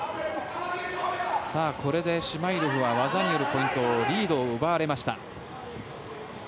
さあ、これでシュマイロフは技によるポイントリードを奪われました。